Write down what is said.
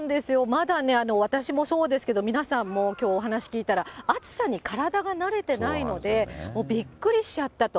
まだね、私もそうですけど、皆さんもきょう、お話聞いたら、暑さに体が慣れてないので、びっくりしちゃったと。